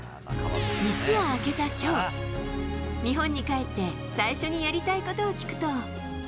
一夜明けたきょう、日本に帰って、最初にやりたいことを聞くと。